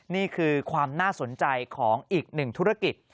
นี่คือความน่าสนใจของอีกหนึ่งธุรกิจ